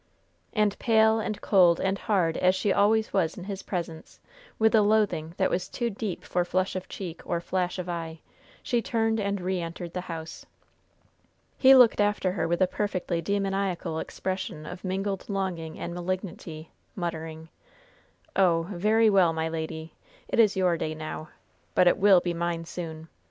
And pale and cold and hard as she always was in his presence, with a loathing that was too deep for flush of cheek or flash of eye, she turned and re entered the house. He looked after her with a perfectly demoniacal expression of mingled longing and malignity, muttering: "Oh, very well, my lady! It is your day now! But it will be mine soon!